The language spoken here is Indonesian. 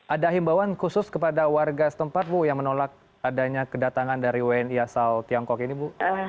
ada himbawan khusus kepada warga setempat bu yang menolak adanya kedatangan dari wni asal tiongkok ini bu